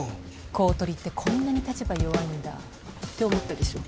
公取ってこんなに立場弱いんだ。って思ったでしょ？